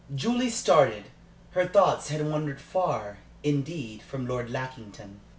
Julie started. Her thoughts had wandered far, indeed, from Lord Lackington.